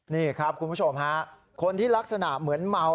นี่ครับคุณผู้ชมฮะคนที่ลักษณะเหมือนเมา